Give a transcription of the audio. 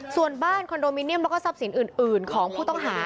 ส่วนบ้านคอนโดมิเนียมแล้วก็ทรัพย์สินอื่นของผู้ต้องหา